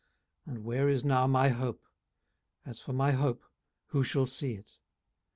18:017:015 And where is now my hope? as for my hope, who shall see it?